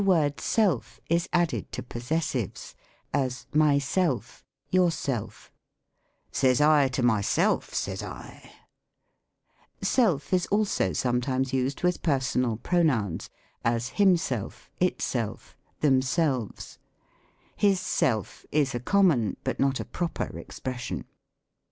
The word self is added to possessives ; as, myself, yourself, " Says I to myself, says I." Self is also SELF ESTEEM. ETYMOLOGY 49 sometimes used with personal pronouns; as, himself, itself, themselves His self is a common, but not a proper expression.